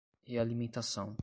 Realimentação